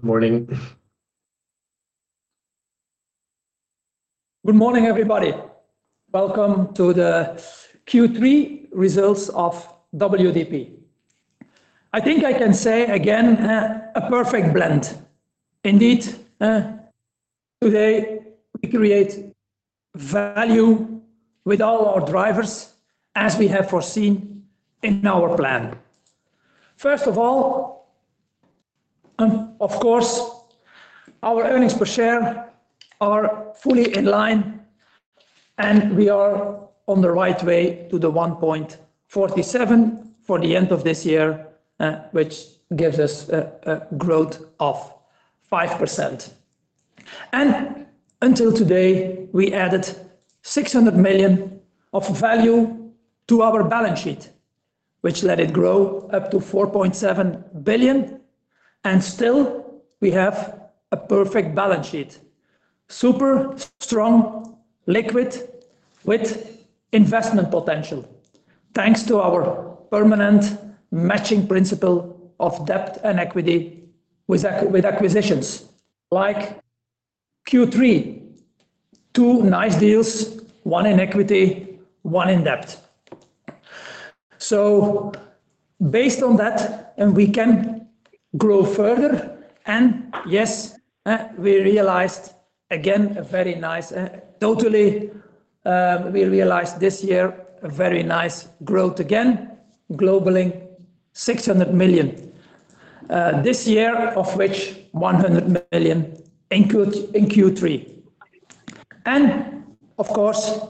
Good morning. Good morning, everybody. Welcome to the Q3 results of WDP. I think I can say again, a perfect blend. Indeed, today, we create value with all our drivers, as we have foreseen in our plan. First of all, and of course, our earnings per share are fully in line, and we are on the right way to the 1.47 for the end of this year, which gives us a growth of 5%. And until today, we added 600 million of value to our balance sheet, which let it grow up to 4.7 billion, and still, we have a perfect balance sheet. Super strong, liquid, with investment potential. Thanks to our permanent matching principle of debt and equity with acquisitions, like Q3, two nice deals, one in equity, one in debt. Based on that, we can grow further. Yes, totally we realized this year a very nice growth again, globally, 600 million this year, of which 100 million include in Q3. Of course,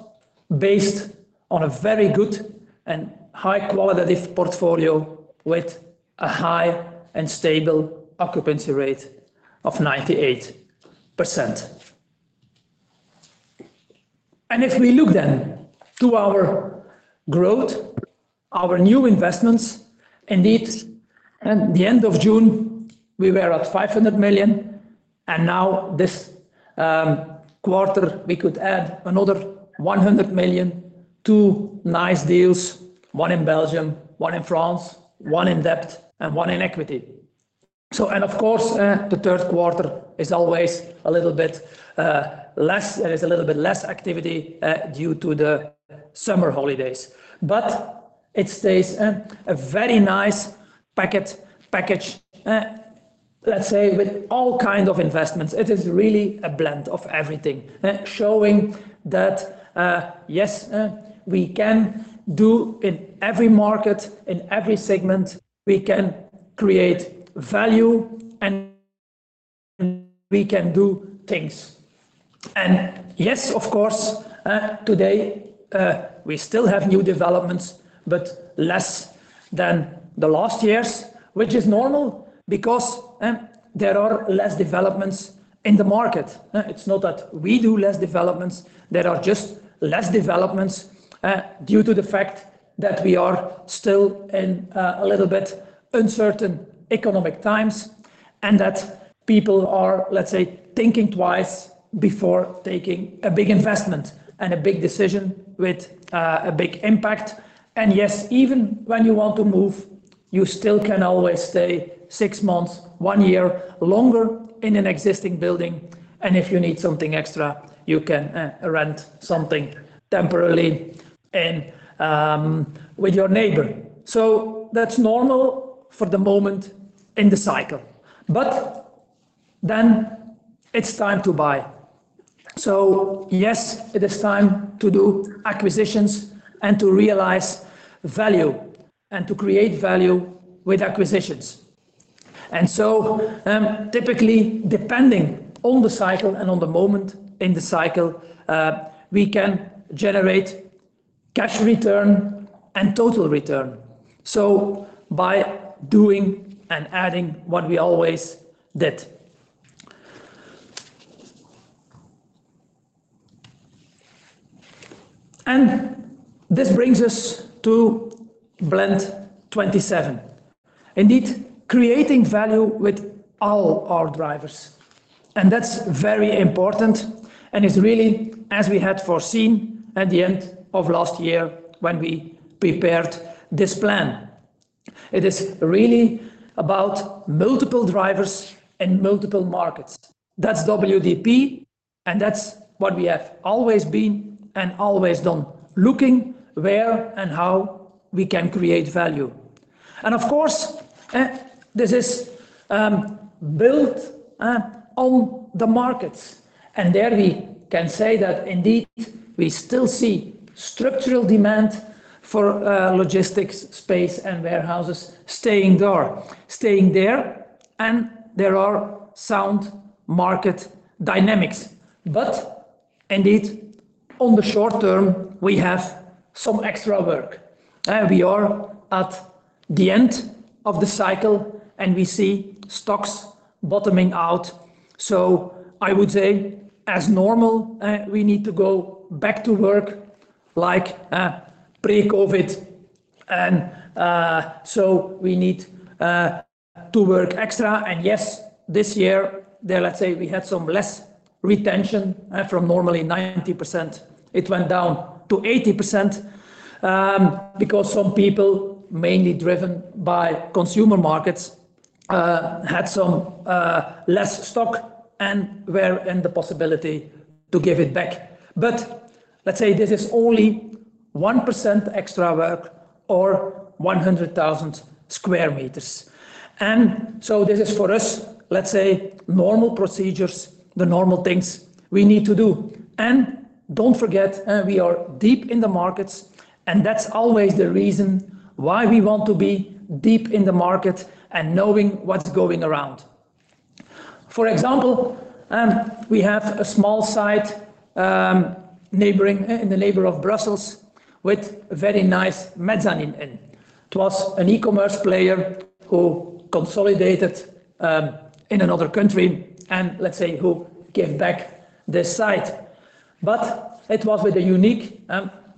based on a very good and high qualitative portfolio with a high and stable occupancy rate of 98%. If we look then to our growth, our new investments, indeed, at the end of June, we were at 500 million, and now this quarter, we could add another 100 million, two nice deals, one in Belgium, one in France, one in debt, and one in equity. Of course, the third quarter is always a little bit less. There is a little bit less activity due to the summer holidays. But it stays a very nice package, let's say, with all kinds of investments. It is really a blend of everything, showing that, yes, we can do in every market, in every segment, we can create value, and we can do things. And yes, of course, today, we still have new developments, but less than the last years, which is normal because there are less developments in the market. It's not that we do less developments, there are just less developments, due to the fact that we are still in a little bit uncertain economic times, and that people are, let's say, thinking twice before taking a big investment and a big decision with a big impact. Yes, even when you want to move, you still can always stay six months, one year longer in an existing building, and if you need something extra, you can rent something temporarily and with your neighbor. That's normal for the moment in the cycle. It is time to buy. Yes, it is time to do acquisitions and to realize value and to create value with acquisitions. Typically, depending on the cycle and on the moment in the cycle, we can generate cash return and total return. By doing and adding what we always did. This brings us to Blend 2027. Indeed, creating value with all our drivers, and that's very important, and it's really as we had foreseen at the end of last year when we prepared this plan. It is really about multiple drivers in multiple markets. That's WDP, and that's what we have always been and always done, looking where and how we can create value. And of course, this is built on the markets, and there we can say that indeed, we still see structural demand for logistics space and warehouses staying there, and there are sound market dynamics. But indeed, on the short term, we have some extra work. We are at the end of the cycle, and we see stocks bottoming out. So I would say, as normal, we need to go back to work like pre-COVID, and so we need to work extra. And yes, this year, let's say, we had some less-... Retention, from normally 90%, it went down to 80%, because some people, mainly driven by consumer markets, had some less stock and were in the possibility to give it back. But let's say this is only 1% extra work or 100,000 square meters. And so this is for us, let's say, normal procedures, the normal things we need to do. And don't forget, we are deep in the markets, and that's always the reason why we want to be deep in the market and knowing what's going around. For example, we have a small site, neighboring, in the neighbor of Brussels, with a very nice mezzanine in. It was an e-commerce player who consolidated in another country and, let's say, who gave back this site. But it was with a unique,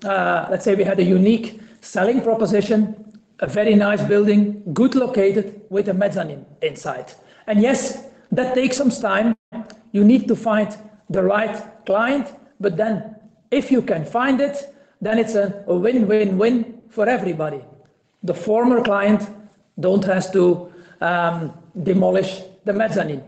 let's say we had a unique selling proposition, a very nice building, good located, with a mezzanine inside. And yes, that takes some time. You need to find the right client, but then if you can find it, then it's a, a win-win-win for everybody. The former client don't have to demolish the mezzanine.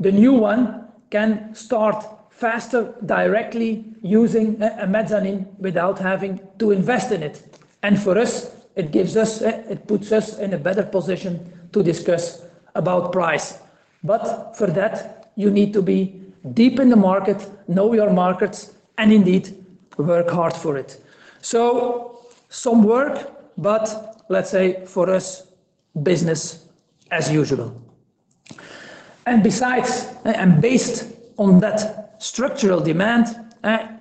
The new one can start faster, directly using a, a mezzanine without having to invest in it. And for us, it gives us, it puts us in a better position to discuss about price. But for that, you need to be deep in the market, know your markets, and indeed work hard for it. So some work, but let's say for us, business as usual. And besides, and based on that structural demand,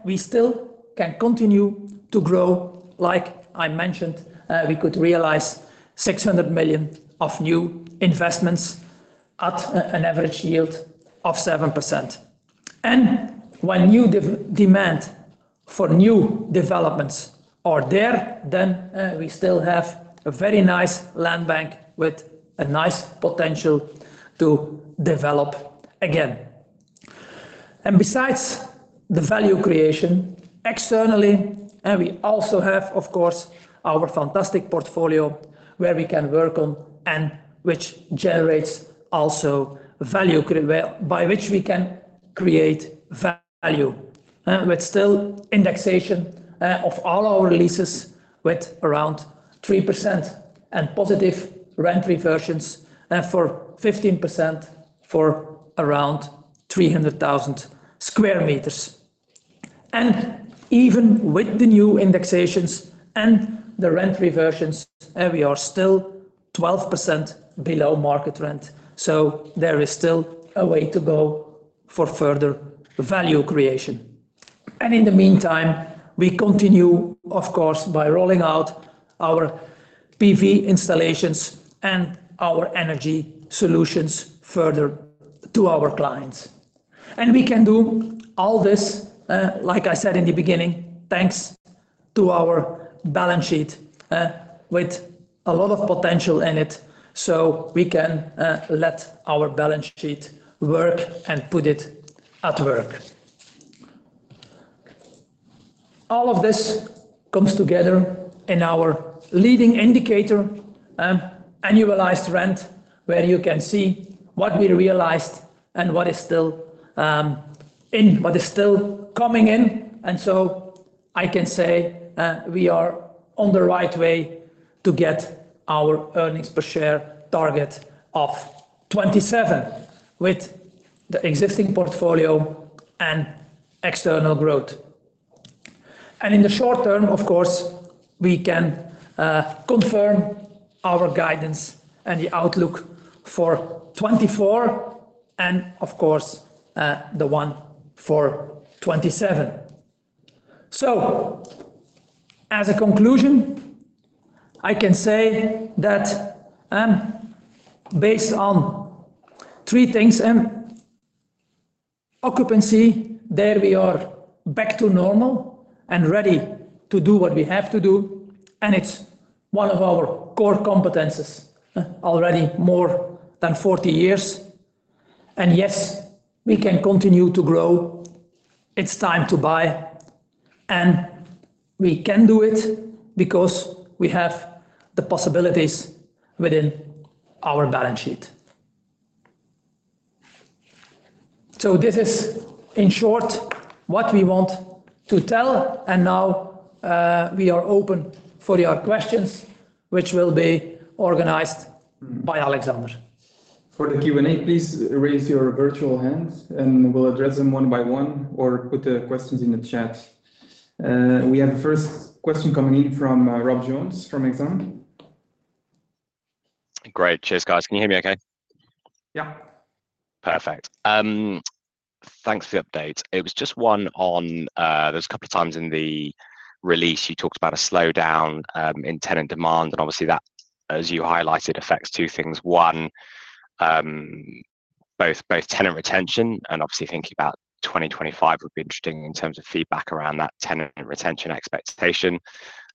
we still can continue to grow. Like I mentioned, we could realize 600 million of new investments at an average yield of 7%. And when demand for new developments are there, then we still have a very nice land bank with a nice potential to develop again. And besides the value creation externally, and we also have, of course, our fantastic portfolio where we can work on and which generates also value, well, by which we can create value. With still indexation of all our leases with around 3% and positive rent reversions for 15% for around 300,000 square meters. And even with the new indexations and the rent reversions, we are still 12% below market rent, so there is still a way to go for further value creation. In the meantime, we continue, of course, by rolling out our PV installations and our energy solutions further to our clients. We can do all this, like I said in the beginning, thanks to our balance sheet, with a lot of potential in it, so we can let our balance sheet work and put it at work. All of this comes together in our leading indicator, annualized rent, where you can see what we realized and what is still coming in. I can say we are on the right way to get our earnings per share target of 2027, with the existing portfolio and external growth. In the short term, of course, we can confirm our guidance and the outlook for 2024 and of course, the one for 2027. As a conclusion, I can say that, based on three things, occupancy, there we are back to normal and ready to do what we have to do, and it's one of our core competencies, already more than 40 years. Yes, we can continue to grow. It's time to buy, and we can do it because we have the possibilities within our balance sheet. This is, in short, what we want to tell, and now, we are open for your questions, which will be organized by Alexander. For the Q&A, please raise your virtual hands, and we'll address them one by one, or put the questions in the chat. We have the first question coming in from Rob Jones from Exane. Great. Cheers, guys. Can you hear me okay? Yeah. Perfect. Thanks for the update. It was just one on. There was a couple of times in the release you talked about a slowdown in tenant demand, and obviously that, as you highlighted, affects two things: one, both tenant retention and obviously thinking about 2025 would be interesting in terms of feedback around that tenant retention expectation.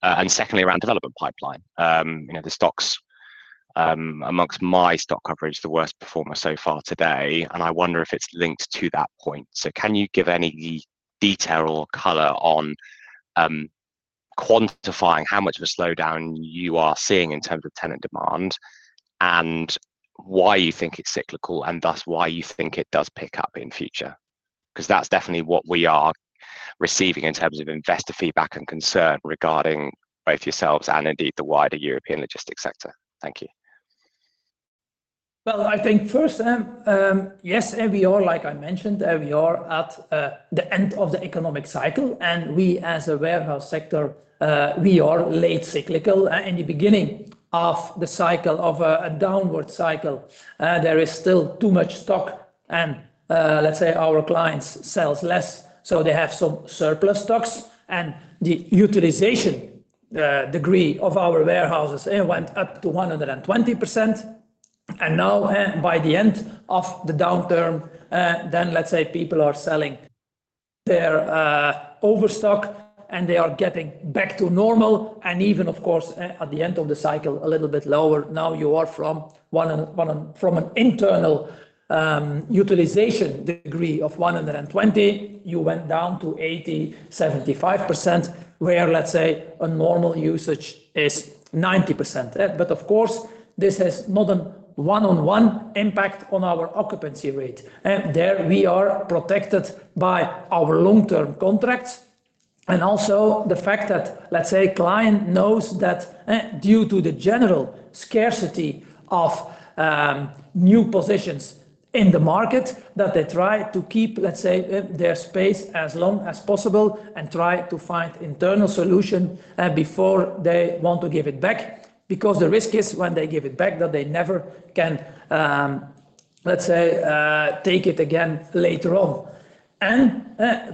And secondly, around development pipeline. You know, amongst my stock coverage, the worst performer so far today, and I wonder if it's linked to that point. So can you give any detail or color on quantifying how much of a slowdown you are seeing in terms of tenant demand? And why you think it's cyclical, and thus why you think it does pick up in future? 'Cause that's definitely what we are receiving in terms of investor feedback and concern regarding both yourselves and indeed, the wider European logistics sector. Thank you. I think first, yes, we are, like I mentioned, we are at the end of the economic cycle, and we as a warehouse sector, we are late cyclical. In the beginning of the cycle, of a downward cycle, there is still too much stock and, let's say our clients sells less, so they have some surplus stocks. And the utilization degree of our warehouses, it went up to 100%, and now, by the end of the downturn, then let's say people are selling their overstock, and they are getting back to normal, and even of course, at the end of the cycle, a little bit lower. Now, from an internal utilization degree of 120, you went down to 80, 75%, where, let's say, a normal usage is 90%. But of course, this has not a one-on-one impact on our occupancy rate, and there we are protected by our long-term contracts. Also the fact that, let's say, a client knows that, due to the general scarcity of new positions in the market, that they try to keep, let's say, their space as long as possible and try to find internal solution before they want to give it back. Because the risk is when they give it back, that they never can, let's say, take it again later on.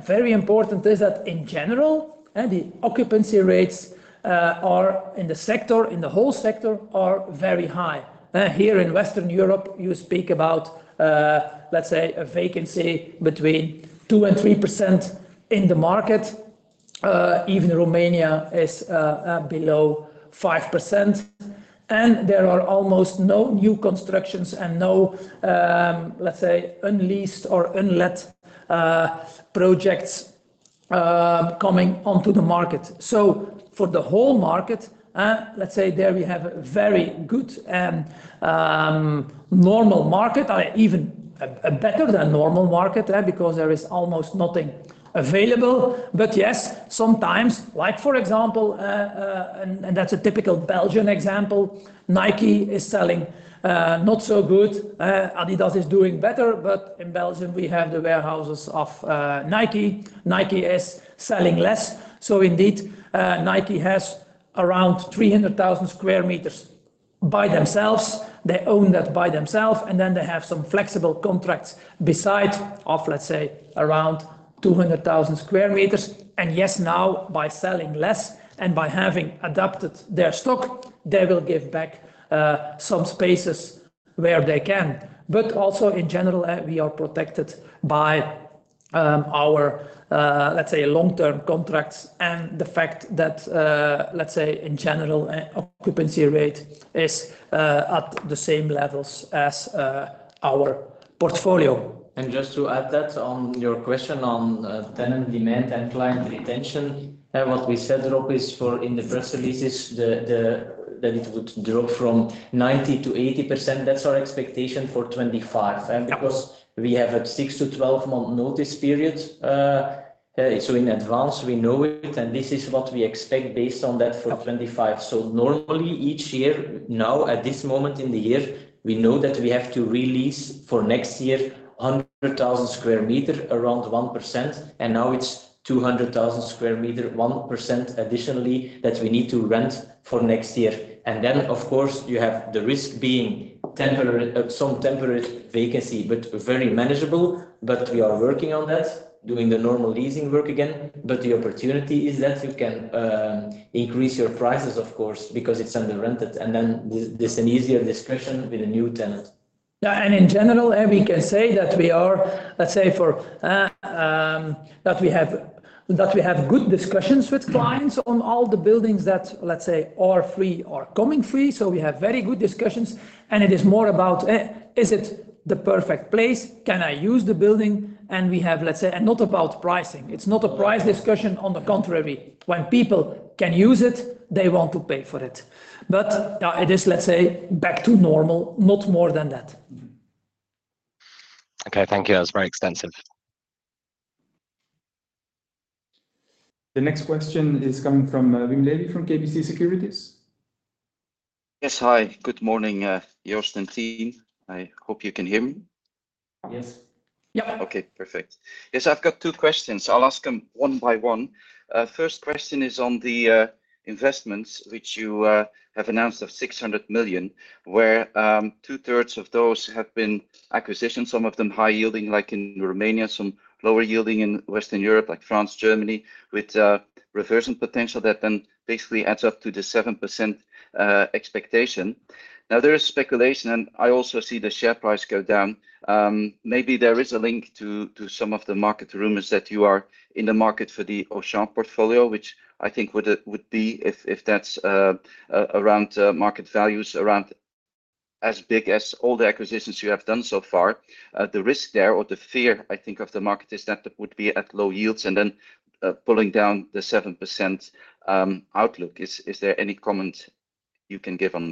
Very important is that in general, the occupancy rates are in the sector, in the whole sector, are very high. Here in Western Europe, you speak about, let's say a vacancy between 2-3% in the market. Even Romania is below 5%, and there are almost no new constructions and no, let's say, unleased or unlet projects coming onto the market. So for the whole market, let's say there we have a very good and normal market, or even a better than normal market, because there is almost nothing available. But yes, sometimes, like for example, and that's a typical Belgian example, Nike is selling not so good. Adidas is doing better, but in Belgium we have the warehouses of Nike. Nike is selling less, so indeed, Nike has around three hundred thousand square meters by themselves. They own that by themselves, and then they have some flexible contracts beside of, let's say, around two hundred thousand square meters. And yes, now, by selling less and by having adapted their stock, they will give back some spaces where they can. But also, in general, we are protected by our, let's say, long-term contracts and the fact that, let's say in general, occupancy rate is at the same levels as our portfolio. And just to add that on your question on tenant demand and client retention, what we said, Rob, is for in the first releases, that it would drop from 90% to 80%. That's our expectation for 2025. And because we have a six-to-twelve-month notice period, so in advance, we know it, and this is what we expect based on that for 2025. So normally, each year, now, at this moment in the year, we know that we have to release for next year, 100,000 square meters, around 1%, and now it's 200,000 square meters, 1% additionally, that we need to rent for next year. And then, of course, you have the risk being temporary, some temporary vacancy, but very manageable. But we are working on that, doing the normal leasing work again. But the opportunity is that you can increase your prices, of course, because it's under-rented, and then this is an easier discussion with a new tenant. Yeah, and in general, and we can say that we are, let's say for, that we have good discussions with clients- Mm-hmm. On all the buildings that, let's say, are free or coming free. So we have very good discussions, and it is more about, is it the perfect place? Can I use the building? And we have, let's say, and not about pricing. It's not a price discussion, on the contrary, when people can use it, they want to pay for it. But, it is, let's say, back to normal, not more than that. Okay, thank you. That was very extensive. The next question is coming from, Wim Lewi from KBC Securities. Yes. Hi, good morning, Joost and team. I hope you can hear me? Yes. Yeah. Okay, perfect. Yes, I've got two questions. I'll ask them one by one. First question is on the investments, which you have announced of 600 million, where two-thirds of those have been acquisitions, some of them high yielding, like in Romania, some lower yielding in Western Europe, like France, Germany, with reversion potential. That then basically adds up to the 7% expectation. Now, there is speculation, and I also see the share price go down. Maybe there is a link to some of the market rumors that you are in the market for the Auchan portfolio, which I think would be if that's around market values around-... As big as all the acquisitions you have done so far, the risk there or the fear, I think, of the market is that it would be at low yields and then, pulling down the 7% outlook. Is there any comment you can give on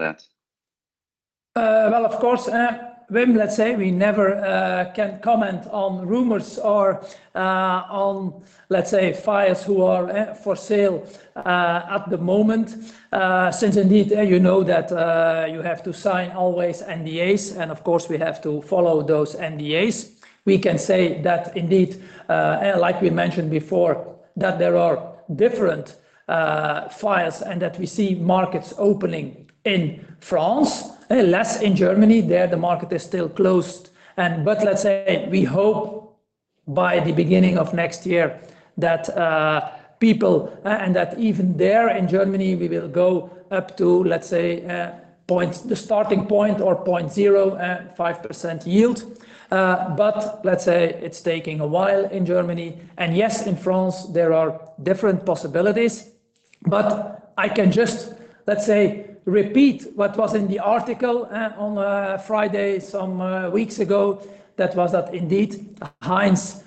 that? Well, of course, Wim, let's say we never can comment on rumors or, on, let's say, files that are for sale at the moment. Since indeed, you know that, you have to sign always NDAs, and of course, we have to follow those NDAs. We can say that indeed, like we mentioned before, that there are different files and that we see markets opening in France, less in Germany. There, the market is still closed, and but let's say we hope by the beginning of next year that, people, and that even there in Germany, we will go up to, let's say, point, the starting point or 0.5% yield. But let's say it's taking a while in Germany, and yes, in France, there are different possibilities. But I can just, let's say, repeat what was in the article on Friday, some weeks ago, that was that indeed, Hines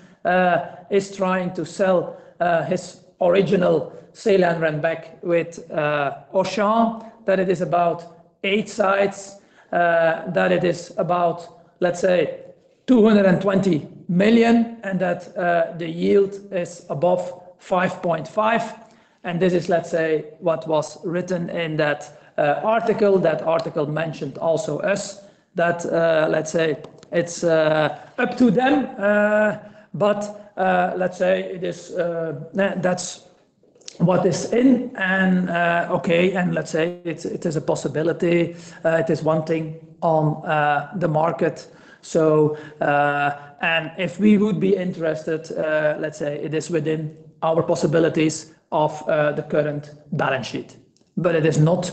is trying to sell his original sale and rent back with Auchan, that it is about eight sites, that it is about, let's say, 220 million, and that the yield is above 5.5%, and this is, let's say, what was written in that article. That article mentioned also us, that, let's say, it's up to them, but, let's say it is, that's what is in and, okay, and let's say it's, it is a possibility. It is one thing on the market. So, and if we would be interested, let's say it is within our possibilities of the current balance sheet, but it is not,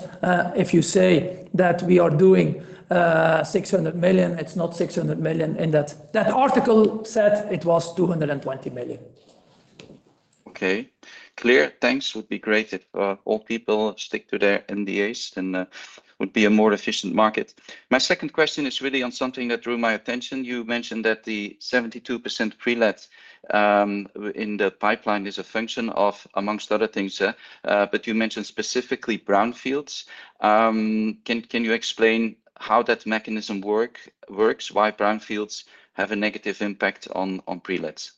if you say that we are doing 600 million, it's not 600 million, and that, that article said it was 220 million. Okay. Clear, thanks. Would be great if all people stick to their NDAs, then would be a more efficient market. My second question is really on something that drew my attention. You mentioned that the 72% pre-let in the pipeline is a function of, among other things, but you mentioned specifically brownfields. Can you explain how that mechanism work, works, why brownfields have a negative impact on pre-lets?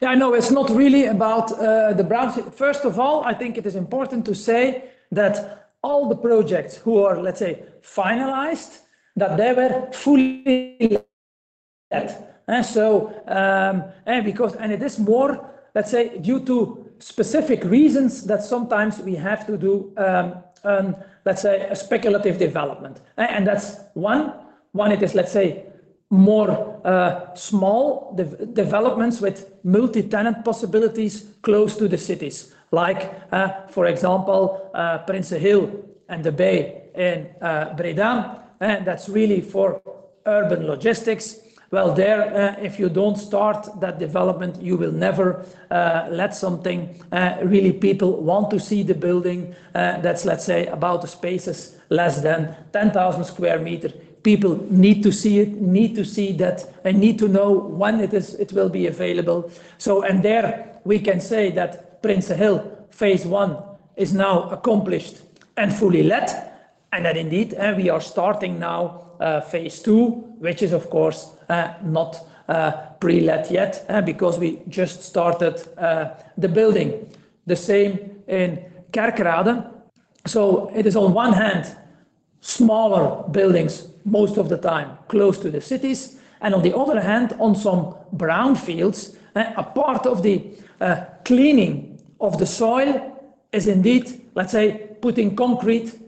Yeah, I know it's not really about the brownfield. First of all, I think it is important to say that all the projects who are, let's say, finalized, that they were fully and so, because. And it is more, let's say, due to specific reasons that sometimes we have to do, let's say, a speculative development. And, and that's one. One, it is, let's say, more small developments with multi-tenant possibilities close to the cities, like, for example, Prinsenhil and The Bay in Breda. That's really for urban logistics. Well, there, if you don't start that development, you will never let something. Really, people want to see the building. That's, let's say, about the spaces less than ten thousand square meter. People need to see it, need to see that, and need to know when it is, it will be available. So, and there, we can say that Prinsenhil Phase 1 is now accomplished and fully let, and that indeed we are starting now Phase 2, which is, of course, not pre-let yet because we just started the building. The same in Kerkrade. So it is on one hand smaller buildings, most of the time, close to the cities, and on the other hand, on some brownfields, a part of the cleaning of the soil is indeed, let's say, putting concrete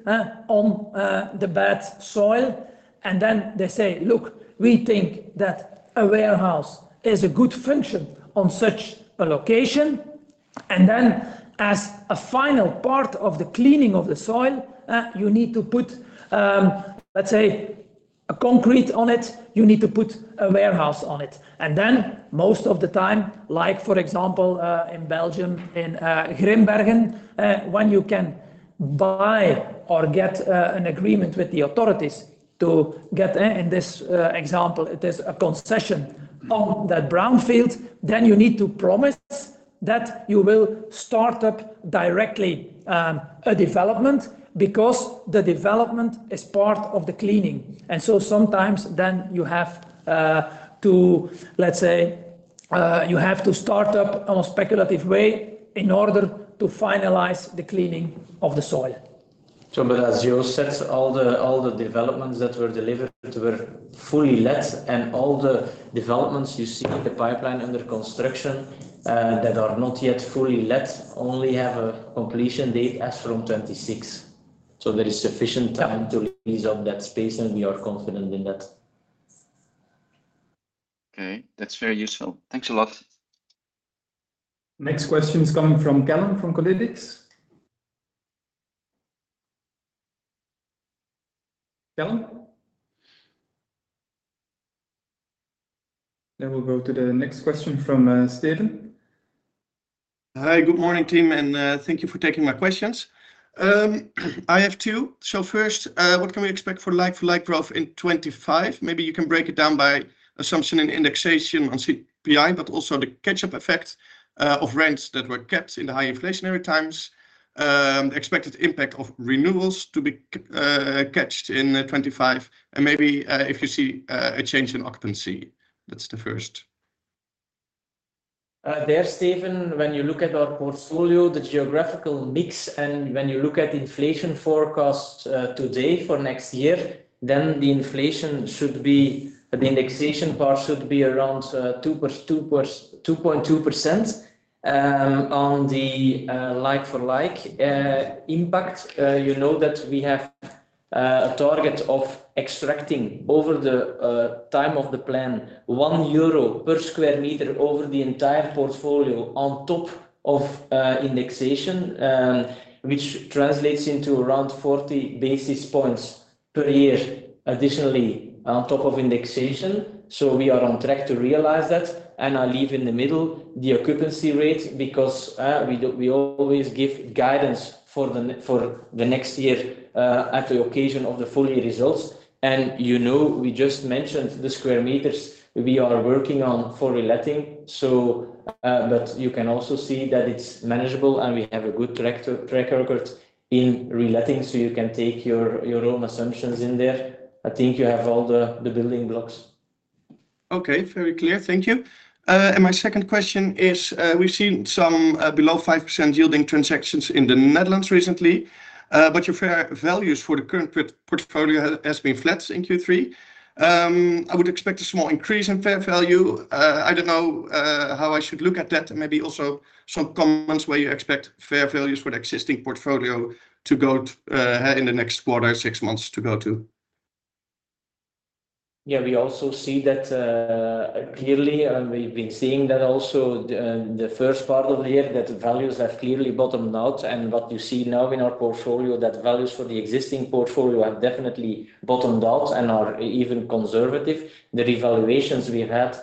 on the bad soil. And then they say, "Look, we think that a warehouse is a good function on such a location." And then, as a final part of the cleaning of the soil, you need to put, let's say, a concrete on it, you need to put a warehouse on it. And then most of the time, like, for example, in Belgium, in Grimbergen, when you can buy or get an agreement with the authorities to get, in this example, it is a concession on that brownfield, then you need to promise that you will start up directly a development, because the development is part of the cleaning. And so sometimes then you have to, let's say, you have to start up on a speculative way in order to finalize the cleaning of the soil. But as Jo said, all the developments that were delivered were fully let, and all the developments you see in the pipeline under construction that are not yet fully let only have a completion date as from 2026. There is sufficient time to lease up that space, and we are confident in that. Okay, that's very useful. Thanks a lot. Next question is coming from Callum from Colliers. Callum?... Then we'll go to the next question from Steven. Hi, good morning, team, and thank you for taking my questions. I have two. So first, what can we expect for like-for-like growth in 2025? Maybe you can break it down by assumption and indexation on CPI, but also the catch-up effect of rents that were kept in the high inflationary times. Expected impact of renewals to be caught in 2025, and maybe if you see a change in occupancy. That's the first. Steven, when you look at our portfolio, the geographical mix, and when you look at inflation forecasts today for next year, then the inflation, the indexation part, should be around 2.2%. On the like-for-like impact, you know that we have a target of extracting over the time of the plan, 1 euro per sq m over the entire portfolio on top of indexation, which translates into around 40 basis points per year, additionally, on top of indexation. We are on track to realize that, and I leave in the middle the occupancy rate because we always give guidance for the next year at the occasion of the full year results. You know, we just mentioned the square meters we are working on for reletting, but you can also see that it's manageable, and we have a good track record in reletting, so you can take your own assumptions in there. I think you have all the building blocks. Okay, very clear. Thank you. And my second question is, we've seen some below 5% yielding transactions in the Netherlands recently, but your fair values for the current portfolio has been flat in Q3. I would expect a small increase in fair value. I don't know how I should look at that. Maybe also some comments where you expect fair values for the existing portfolio to go in the next quarter, six months to go, too. Yeah, we also see that clearly, and we've been seeing that also the first part of the year, that values have clearly bottomed out. And what you see now in our portfolio, that values for the existing portfolio have definitely bottomed out and are even conservative. The revaluations we had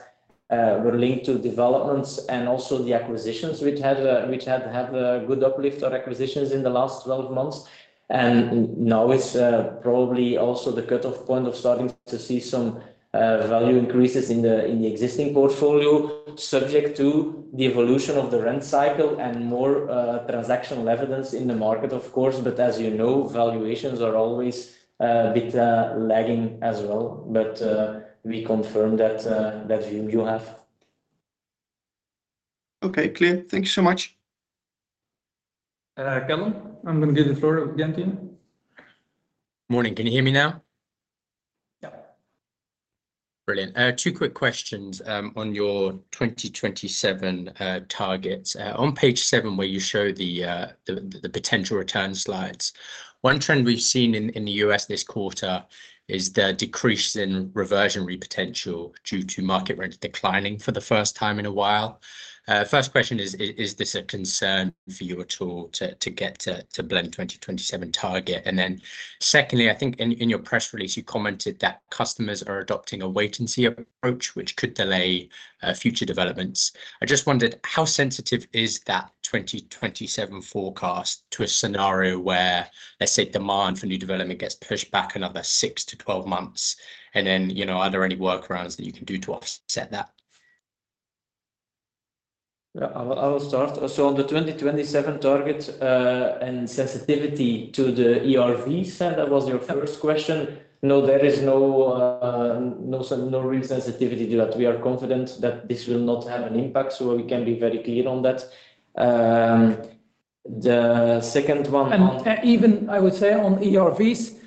were linked to developments and also the acquisitions which had a good uplift or acquisitions in the last twelve months. And now it's probably also the cutoff point of starting to see some value increases in the existing portfolio, subject to the evolution of the rent cycle and more transactional evidence in the market, of course, but as you know, valuations are always a bit lagging as well. But we confirm that view you have. Okay, clear. Thank you so much. Callum, I'm going to give the floor again to you. Morning. Can you hear me now? Yeah. Brilliant. Two quick questions on your Blend 2027 targets. On page 7, where you show the potential return slides. One trend we've seen in the U.S. this quarter is the decrease in reversionary potential due to market rent declining for the first time in a while. First question is, is this a concern for you at all, to get to Blend 2027 target? And then secondly, I think in your press release, you commented that customers are adopting a wait-and-see approach, which could delay future developments. I just wondered, how sensitive is that 2027 forecast to a scenario where, let's say, demand for new development gets pushed back another 6 to 12 months, and then, you know, are there any workarounds that you can do to offset that? Yeah, I will, I will start. So on the 2027 target, and sensitivity to the ERV, Sam, that was your first question. No, there is no, no real sensitivity to that. We are confident that this will not have an impact, so we can be very clear on that. The second one on- And even I would say on ERVs,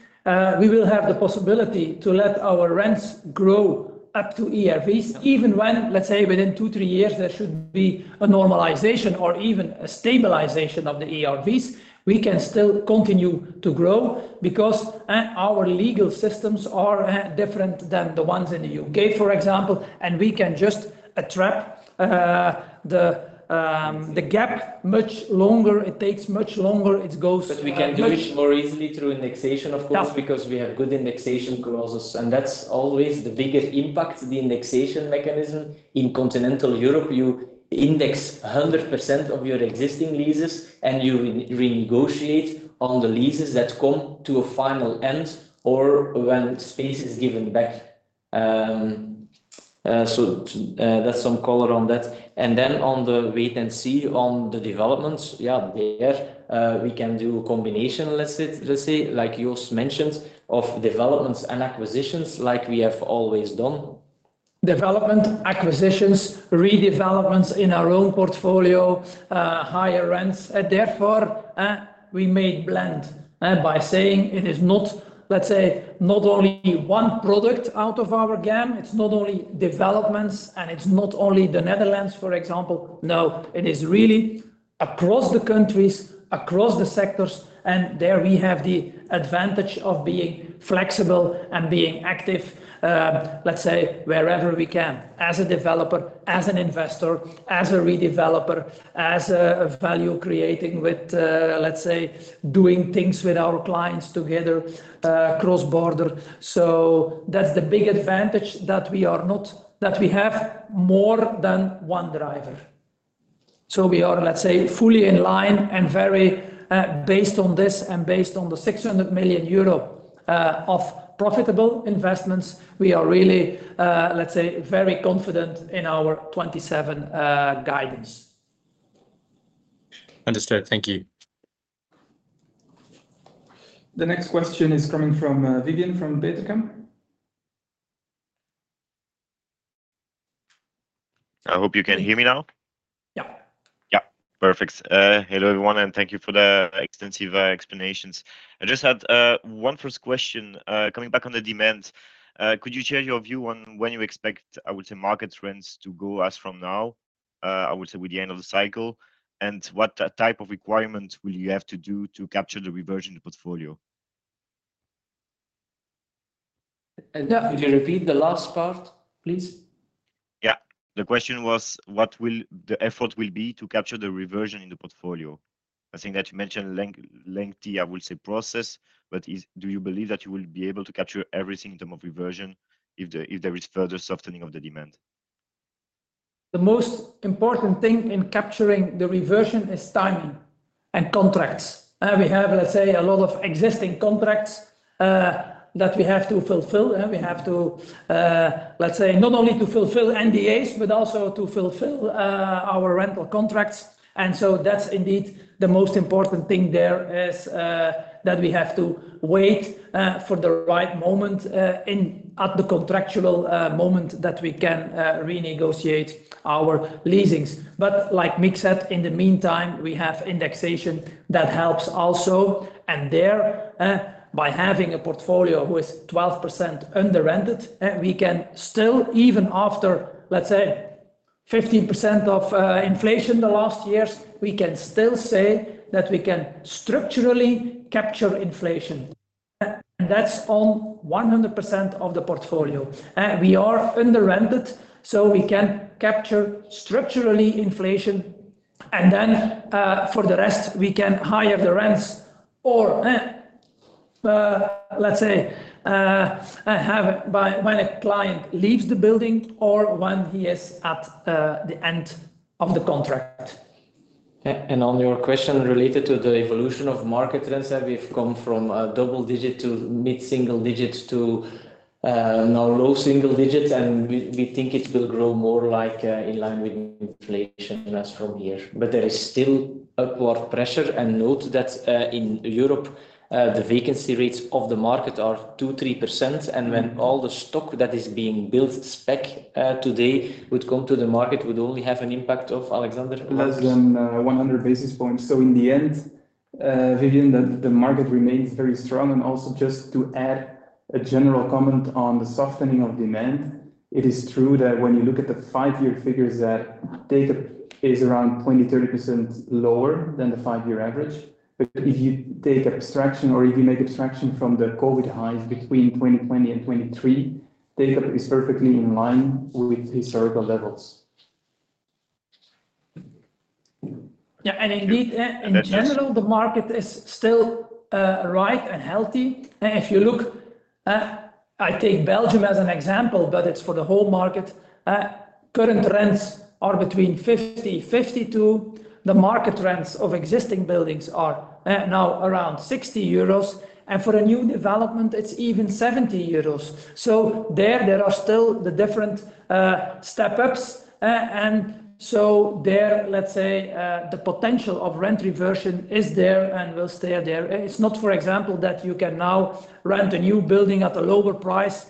we will have the possibility to let our rents grow up to ERVs, even when, let's say, within two, three years, there should be a normalization or even a stabilization of the ERVs. We can still continue to grow because, our legal systems are, different than the ones in the U.K., for example, and we can just attract the gap much longer. It takes much longer, it goes much- But we can do it more easily through indexation, of course. Yeah... because we have good indexation clauses, and that's always the biggest impact, the indexation mechanism. In continental Europe, you index 100% of your existing leases, and you renegotiate on the leases that come to a final end or when space is given back. So, that's some color on that. And then on the wait and see on the developments, yeah, there, we can do a combination, let's say, like Joost mentioned, of developments and acquisitions, like we have always done. Development, acquisitions, redevelopments in our own portfolio, higher rents, and therefore, we made Blend, and by saying it is not, let's say, not only one product out of our GAM, it's not only developments, and it's not only the Netherlands, for example. No, it is really across the countries, across the sectors, and there we have the advantage of being flexible and being active, let's say, wherever we can, as a developer, as an investor, as a redeveloper, as a value creating with, let's say, doing things with our clients together, cross-border, so that's the big advantage that we have more than one driver. We are, let's say, fully in line and very based on this and based on the 600 million euro of profitable investments. We are really, let's say, very confident in our 2027 guidance. Understood. Thank you. The next question is coming from, Vivien from Degroof Petercam. I hope you can hear me now. Yeah. Yeah, perfect. Hello, everyone, and thank you for the extensive explanations. I just had one first question. Coming back on the demand, could you share your view on when you expect, I would say, market trends to go as from now, I would say, with the end of the cycle? And what type of requirement will you have to do to capture the reversion in the portfolio? Yeah- Could you repeat the last part, please? Yeah. The question was, what will the effort will be to capture the reversion in the portfolio? I think that you mentioned lengthy, I would say, process, but do you believe that you will be able to capture everything in terms of reversion if there is further softening of the demand? The most important thing in capturing the reversion is timing and contracts. And we have, let's say, a lot of existing contracts that we have to fulfill, and we have to, let's say, not only to fulfill NDAs, but also to fulfill our rental contracts. And so that's indeed the most important thing there is that we have to wait for the right moment in at the contractual moment that we can renegotiate our leases. But like Mick said, in the meantime, we have indexation that helps also. And there by having a portfolio with 12% under-rented we can still, even after, let's say, 15% of inflation the last years, we can still say that we can structurally capture inflation, and that's on 100% of the portfolio. We are under-rented, so we can capture structurally inflation, and then, for the rest, we can hike the rents. Or, let's say, when a client leaves the building or when he is at the end of the contract. On your question related to the evolution of market rents, we've come from double digit to mid-single digits to now low single digits, and we think it will grow more like in line with inflation as from here. But there is still upward pressure. Note that in Europe the vacancy rates of the market are 2%-3%. When all the stock that is being built spec today would come to the market, would only have an impact of Alexander- Less than one hundred basis points. So in the end, Vivian, the market remains very strong. And also just to add a general comment on the softening of demand, it is true that when you look at the five-year figures, that data is around 20%-30% lower than the five-year average. But if you take abstraction, or if you make abstraction from the COVID highs between 2020 and 2023, data is perfectly in line with historical levels. Yeah, and indeed, in general, the market is still right and healthy. If you look, I take Belgium as an example, but it's for the whole market. Current rents are between 50-52. The market rents of existing buildings are now around 60 euros, and for a new development, it's even 70 euros. So there, there are still the different step ups, and so there, let's say, the potential of rent reversion is there and will stay there. It's not, for example, that you can now rent a new building at a lower price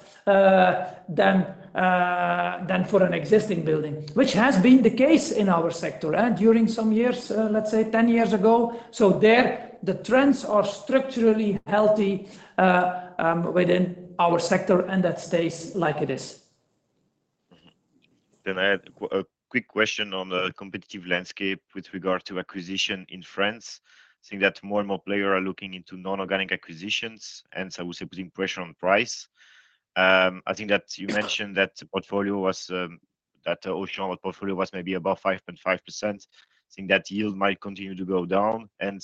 than for an existing building, which has been the case in our sector, and during some years, let's say 10 years ago. So there, the trends are structurally healthy within our sector, and that stays like it is. Mm-hmm. Then I had a quick question on the competitive landscape with regard to acquisition in France. I think that more and more players are looking into non-organic acquisitions, and so I would say, putting pressure on price. I think that you mentioned that the portfolio was, that Auchan portfolio was maybe above 5.5%. I think that yield might continue to go down. And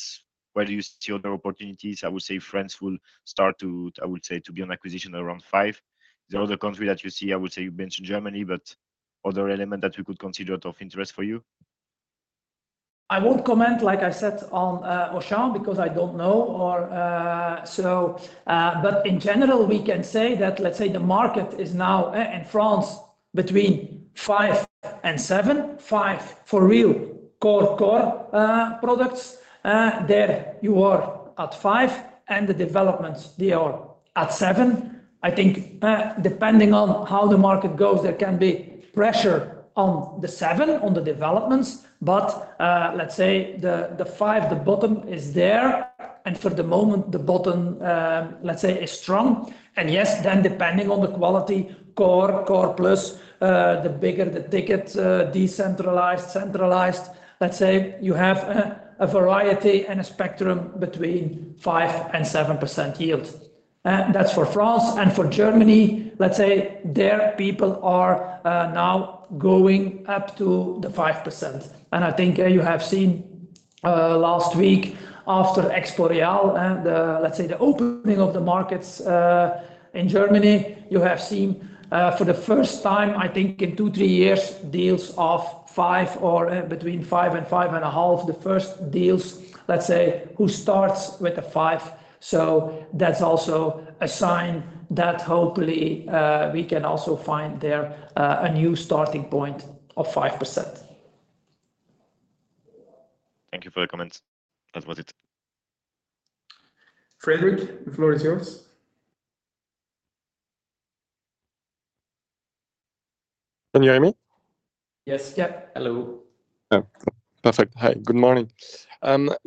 where do you see other opportunities? I would say France will start to, I would say, to be an acquisition around 5%. The other country that you see, I would say you mentioned Germany, but other element that we could consider of interest for you? I won't comment, like I said, on Auchan, because I don't know or... So but in general, we can say that, let's say, the market is now in France, between 5% and 7%. Five for real core, core products. There you are at 5%, and the developments, they are at 7%. I think, depending on how the market goes, there can be pressure on the seven, on the developments. But, let's say the five, the bottom is there, and for the moment, the bottom, let's say, is strong. And yes, then depending on the quality, core, core plus, the bigger the ticket, decentralized, centralized. Let's say you have a variety and a spectrum between 5% and 7% yield. That's for France and for Germany, let's say, their people are now going up to the 5%. And I think you have seen-... last week after Expo Real and, let's say, the opening of the markets in Germany, you have seen, for the first time, I think in two, three years, deals of 5% or between 5%-5.5%, the first deals, let's say, who starts with a five. So that's also a sign that hopefully, we can also find there a new starting point of 5%. Thank you for the comments. That was it. Frédéric, the floor is yours. Can you hear me? Yes. Yeah. Hello. Oh, perfect. Hi, good morning.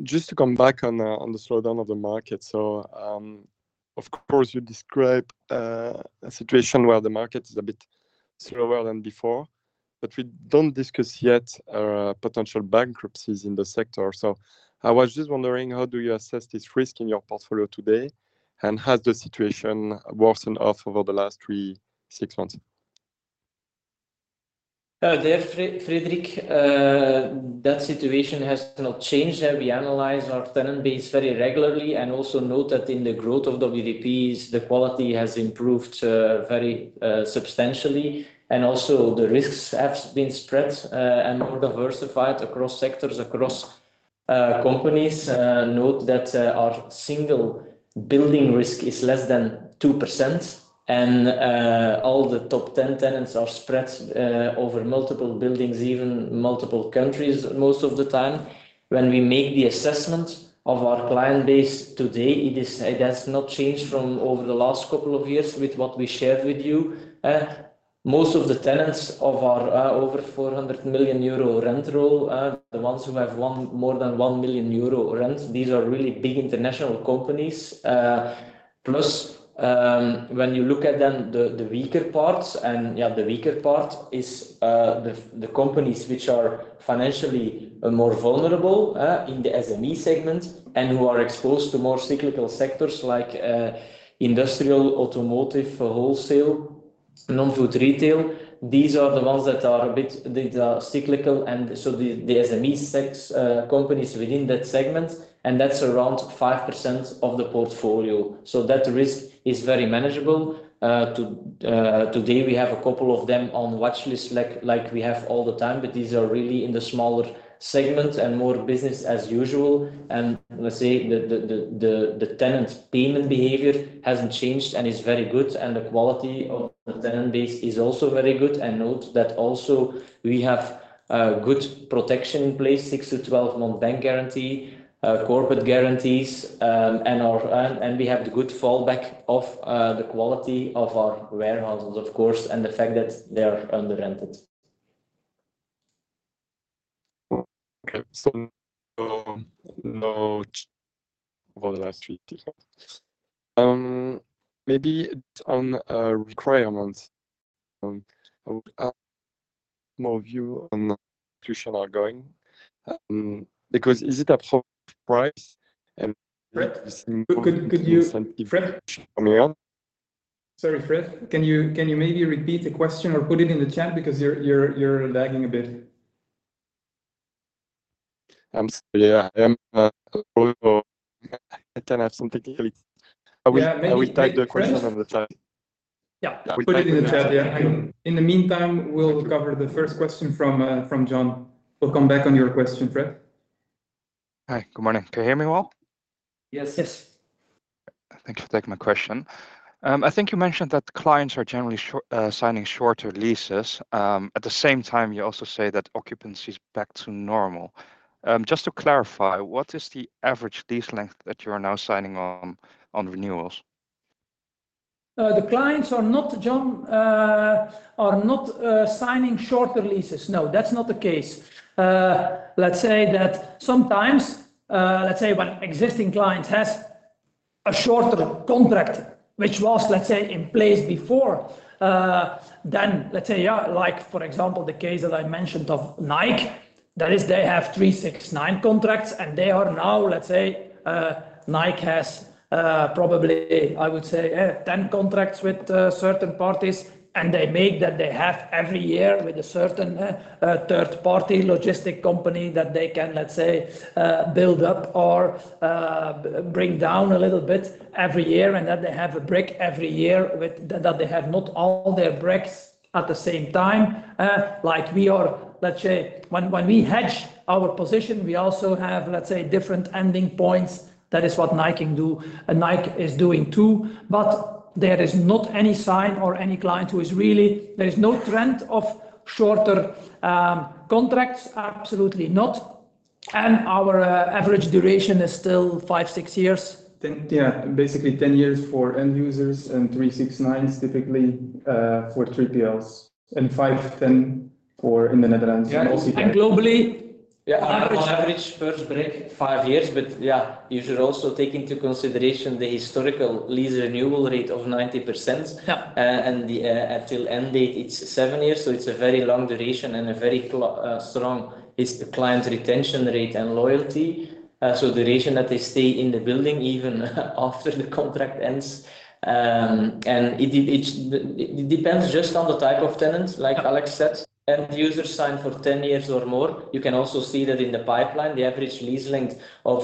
Just to come back on the slowdown of the market. So, of course, you describe a situation where the market is a bit slower than before, but we don't discuss yet potential bankruptcies in the sector. So I was just wondering: how do you assess this risk in your portfolio today, and has the situation worsened off over the last three, six months? Frédéric, that situation has not changed, and we analyze our tenant base very regularly, and also note that in the growth of WDP's, the quality has improved very substantially, and also the risks have been spread and more diversified across sectors, across companies. Note that our single building risk is less than 2%, and all the top 10 tenants are spread over multiple buildings, even multiple countries, most of the time. When we make the assessment of our client base today, it has not changed from over the last couple of years with what we shared with you. Most of the tenants of our over 400 million euro rent roll, the ones who have more than one million EUR rent, these are really big international companies. Plus, when you look at then the weaker parts and, yeah, the weaker part is the companies which are financially more vulnerable in the SME segment and who are exposed to more cyclical sectors like industrial, automotive, wholesale, non-food retail. These are the ones that are a bit, that are cyclical, and so the SME segments companies within that segment, and that's around 5% of the portfolio. So that risk is very manageable. Today, we have a couple of them on watchlist, like we have all the time, but these are really in the smaller segment and more business as usual. And let's say, the tenant payment behavior hasn't changed and is very good, and the quality of the tenant base is also very good. Note that also, we have good protection in place, six-to-twelve-month bank guarantee, corporate guarantees, and our good fallback of the quality of our warehouses, of course, and the fact that they are under-rented. Okay. So, no, over the last three, four months. Maybe on requirements, I would add more view on are going, because is it a price and- Fred, could you- -coming on? Sorry, Fréd, can you maybe repeat the question or put it in the chat because you're lagging a bit? I'm sorry. Yeah, I am. I kind of have some technicality. Yeah, maybe- I will type the question on the chat. Yeah. Yeah. Put it in the chat. Yeah. Thank you. In the meantime, we'll cover the first question from John. We'll come back on your question, Fréd. Hi. Good morning. Can you hear me well? Yes. Yes. Thank you for taking my question. I think you mentioned that clients are generally signing shorter leases. At the same time, you also say that occupancy is back to normal. Just to clarify, what is the average lease length that you are now signing on renewals? The clients are not, John, signing shorter leases. No, that's not the case. Let's say that sometimes, let's say when existing client has a shorter contract, which was, let's say, in place before, then let's say, yeah, like for example, the case that I mentioned of Nike, that is, they have three, six, nine contracts, and they are now, let's say, Nike has probably, I would say, 10 contracts with certain parties, and they make that they have every year with a certain third-party logistics company, that they can, let's say, build up or bring down a little bit every year, and that they have a break every year, that they have not all their breaks at the same time. Like we are, let's say, when we hedge our position, we also have, let's say, different ending points. That is what Nike do, and Nike is doing, too, but there is not any sign or any client who is really... There is no trend of shorter contracts, absolutely not, and our average duration is still five, six years. Then, yeah, basically 10 years for end users and 3, 6, 9s, typically, for 3PLs and 5, 10 for in the Netherlands and also- And globally- ... Yeah, on average, first break five years. But, yeah, you should also take into consideration the historical lease renewal rate of 90%. Yeah. And the until end date, it's 7 years, so it's a very long duration and a very strong. It's the client retention rate and loyalty. So the reason that they stay in the building, even after the contract ends, and it depends just on the type of tenants, like Alex said. End users sign for 10 years or more. You can also see that in the pipeline, the average lease length of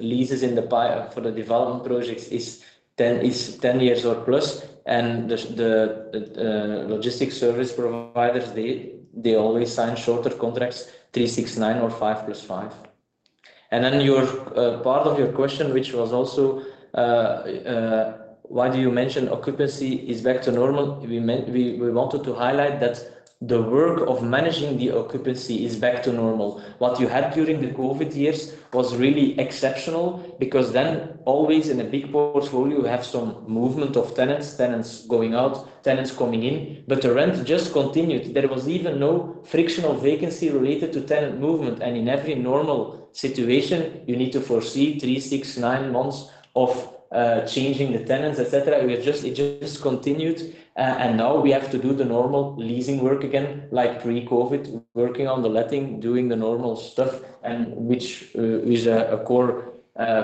leases in the pipe for the development projects is 10 years or more. And the logistics service providers, they always sign shorter contracts, 3, 6, 9, or 5 plus 5. And then your part of your question, which was also why do you mention occupancy is back to normal? We, we wanted to highlight that the work of managing the occupancy is back to normal. What you had during the COVID years was really exceptional because then always in a big portfolio, you have some movement of tenants, tenants going out, tenants coming in, but the rent just continued. There was even no frictional vacancy related to tenant movement, and in every normal situation, you need to foresee three, six, nine months of changing the tenants, et cetera. We just, it just continued, and now we have to do the normal leasing work again, like pre-COVID, working on the letting, doing the normal stuff, and which is a core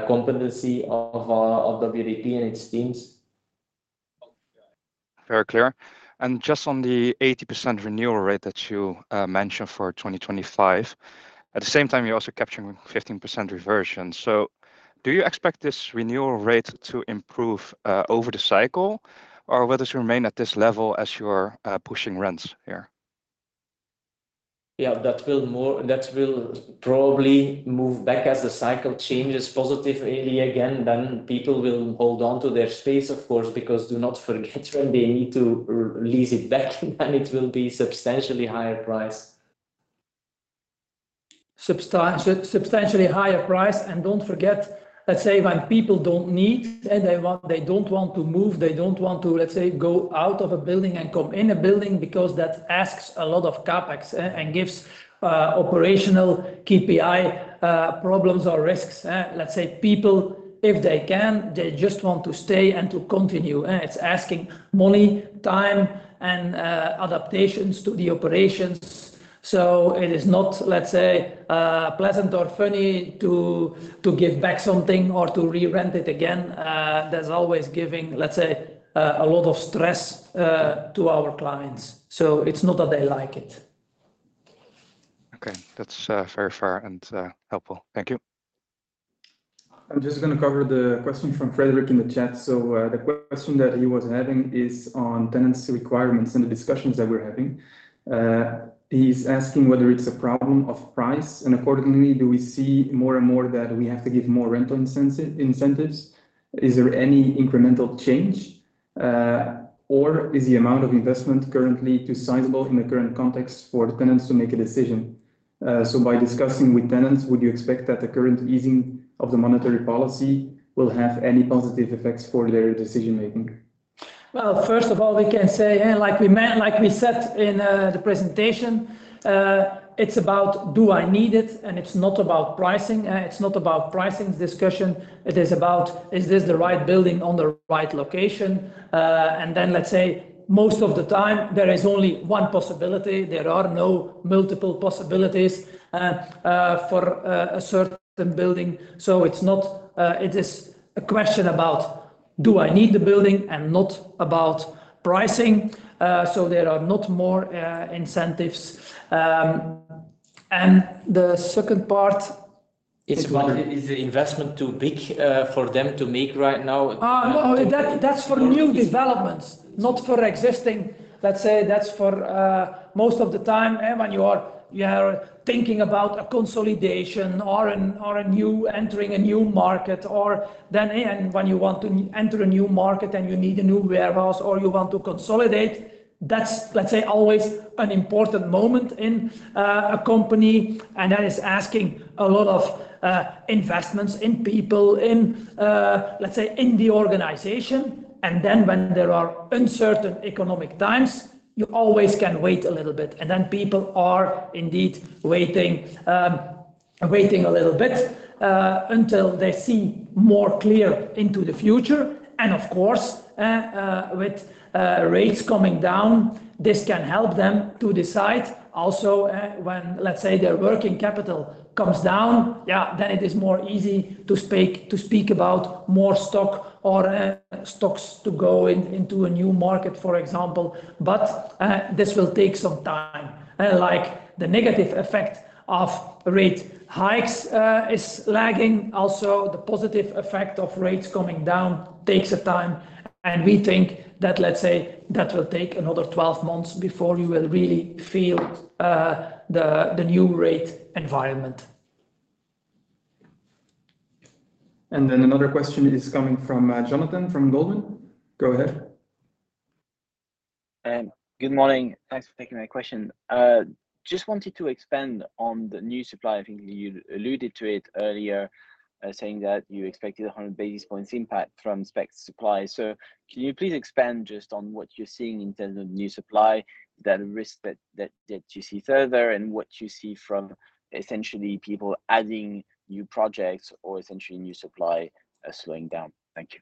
competency of WDP and its teams. Very clear. And just on the 80% renewal rate that you mentioned for 2025, at the same time, you're also capturing 15% reversion. So do you expect this renewal rate to improve over the cycle, or will this remain at this level as you're pushing rents here? Yeah, that will probably move back as the cycle changes positively again. Then people will hold on to their space, of course, because do not forget, when they need to lease it back, then it will be substantially higher price. Substantially higher price, and don't forget, let's say when people don't need, and they want they don't want to move, they don't want to, let's say, go out of a building and come in a building because that asks a lot of CapEx, and gives operational KPI problems or risks. Let's say people, if they can, they just want to stay and to continue, it's asking money, time, and adaptations to the operations. So it is not, let's say, pleasant or funny to give back something or to re-rent it again. There's always giving, let's say, a lot of stress to our clients. So it's not that they like it. Okay, that's very fair and helpful. Thank you. I'm just gonna cover the question from Frédéric in the chat. So, the question that he was having is on tenancy requirements and the discussions that we're having. He's asking whether it's a problem of price, and accordingly, do we see more and more that we have to give more rental incentives? Is there any incremental change, or is the amount of investment currently too sizable in the current context for the tenants to make a decision? So by discussing with tenants, would you expect that the current easing of the monetary policy will have any positive effects for their decision-making? Well, first of all, we can say, and like we said in the presentation, it's about do I need it? And it's not about pricing, it's not about pricing discussion. It is about, is this the right building on the right location? And then let's say, most of the time there is only one possibility. There are no multiple possibilities for a certain building. So it's not. It is a question about, do I need the building and not about pricing. So there are not more incentives. And the second part is- Is the investment too big for them to make right now? No, that's for new developments, not for existing. Let's say, that's for most of the time, and when you are thinking about a consolidation or a new entering a new market, or then, and when you want to enter a new market, and you need a new warehouse, or you want to consolidate, that's, let's say, always an important moment in a company. And that is asking a lot of investments in people, in, let's say, in the organization. And then when there are uncertain economic times, you always can wait a little bit, and then people are indeed waiting a little bit until they see more clear into the future. And of course, with rates coming down, this can help them to decide also, when, let's say, their working capital comes down, yeah, then it is more easy to speak about more stock or stocks to go into a new market, for example. But this will take some time. Like the negative effect of rate hikes is lagging, also the positive effect of rates coming down takes a time, and we think that, let's say, that will take another twelve months before you will really feel the new rate environment. Then another question is coming from Jonathan from Goldman. Go ahead.... Good morning. Thanks for taking my question. Just wanted to expand on the new supply. I think you alluded to it earlier, saying that you expected 100 basis points impact from spec supply. So can you please expand just on what you're seeing in terms of new supply, that risk that you see further, and what you see from essentially people adding new projects or essentially new supply slowing down? Thank you.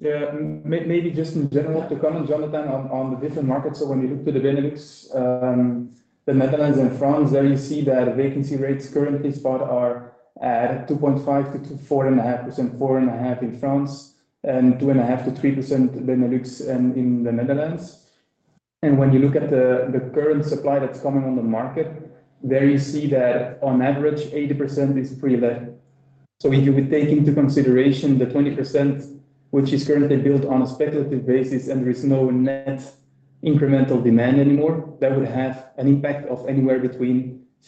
Yeah, maybe just in general to comment, Jonathan, on the different markets. So when you look to the Benelux, the Netherlands and France, there you see that vacancy rates currently spot are at 2.5%-4.5%, 4.5% in France, and 2.5%-3% Benelux and in the Netherlands. And when you look at the current supply that's coming on the market, there you see that on average, 80% is pre-let. So if you would take into consideration the 20%, which is currently built on a speculative basis, and there is no net incremental demand anymore, that would have an impact of anywhere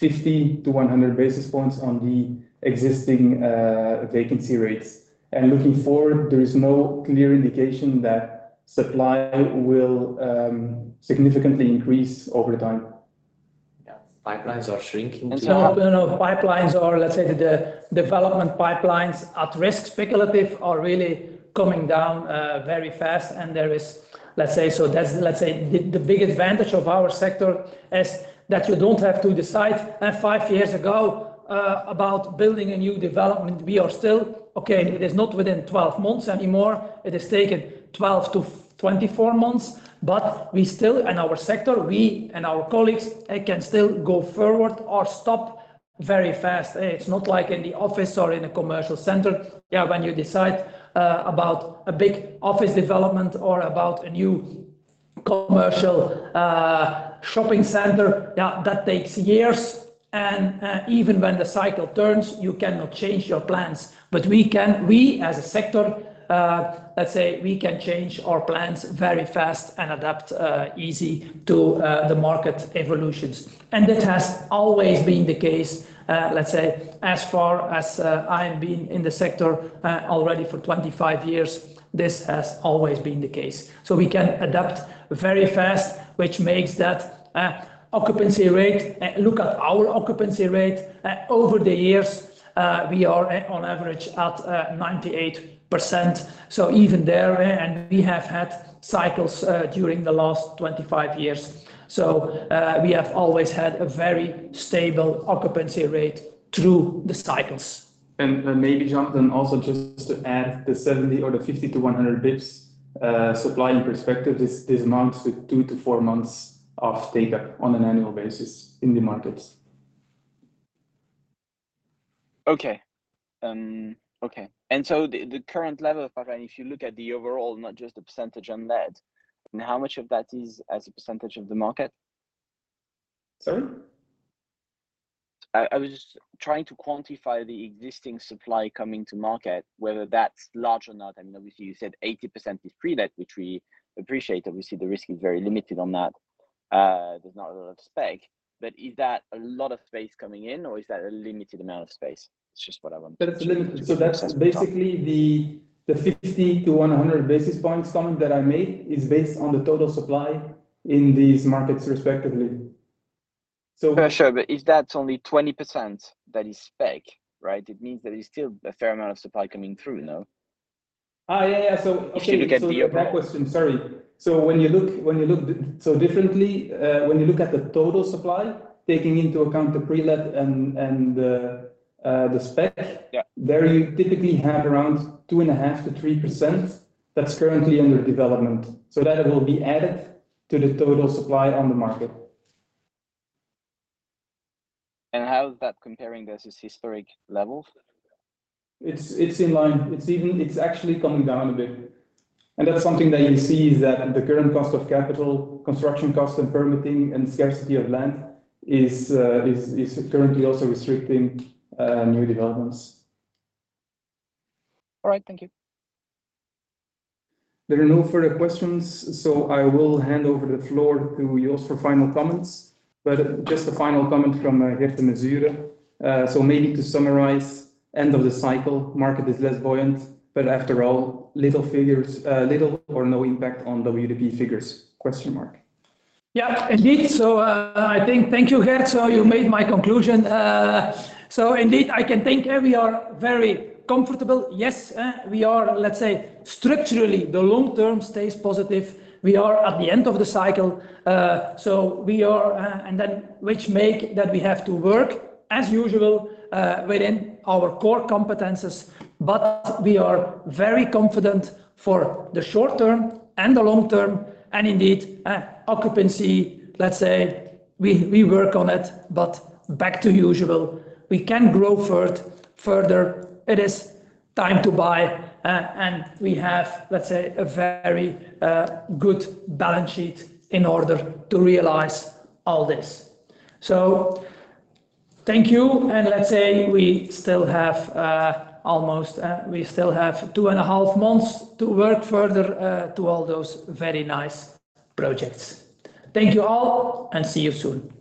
between 50-100 basis points on the existing vacancy rates. Looking forward, there is no clear indication that supply will significantly increase over time. Yeah. Pipelines are shrinking as well? No, pipelines are. Let's say the development pipelines at risk, speculative, are really coming down very fast, and there is, let's say, so that's, let's say, the big advantage of our sector is that you don't have to decide five years ago about building a new development. We are still. Okay, it is not within 12 months anymore. It has taken 12-24 months, but we still, in our sector, we and our colleagues can still go forward or stop very fast. It's not like in the office or in a commercial center. Yeah, when you decide about a big office development or about a new commercial shopping center, yeah, that takes years, and even when the cycle turns, you cannot change your plans. But we can. We, as a sector, let's say, we can change our plans very fast and adapt easily to the market evolutions. That has always been the case, let's say, as far as I have been in the sector, already for twenty-five years. This has always been the case. We can adapt very fast, which makes that our occupancy rate. Look at our occupancy rate over the years. We are at, on average, 98%. Even there, we have had cycles during the last twenty-five years. We have always had a very stable occupancy rate through the cycles. Maybe, Jonathan, also just to add the 70 or the 50-100 basis points, supply in perspective, this amounts to 2-4 months of data on an annual basis in the markets. Okay, and so the current level, if you look at the overall, not just the percentage on that, and how much of that is as a percentage of the market? Sorry? I was just trying to quantify the existing supply coming to market, whether that's large or not. I mean, obviously, you said 80% is pre-let, which we appreciate, that we see the risk is very limited on that. There's not a lot of spec, but is that a lot of space coming in, or is that a limited amount of space? It's just what I want- That's limited. So that's basically the 50-100 basis points comment that I made, is based on the total supply in these markets respectively. So- For sure, but if that's only 20%, that is spec, right? It means that there's still a fair amount of supply coming through, no? Yeah, yeah. So. If you look at the open- That question, sorry. So when you look differently at the total supply, taking into account the pre-let and the spec- Yeah... there you typically have around 2.5%-3% that's currently under development. So that will be added to the total supply on the market. How is that comparing versus historic levels? It's in line. It's even, it's actually coming down a bit. And that's something that you see, is that the current cost of capital, construction costs and permitting, and scarcity of land is currently also restricting new developments. All right, thank you. There are no further questions, so I will hand over the floor to Joost for final comments. But just a final comment from Gert De Mesure. So maybe to summarize, end of the cycle, market is less buoyant, but after all, little figures, little or no impact on WDP figures? Question mark. Yeah, indeed, so I think, thank you, Gert, so you made my conclusion, so indeed, I can think we are very comfortable. Yes, we are, let's say, structurally. The long term stays positive. We are at the end of the cycle, so we are, and then which means that we have to work as usual within our core competencies, but we are very confident for the short term and the long term, and indeed, occupancy, let's say, we work on it, but back to usual. We can grow further. It is time to buy, and we have, let's say, a very good balance sheet in order to realize all this. Thank you, and let's say, we still have almost two and a half months to work further to all those very nice projects. Thank you all, and see you soon.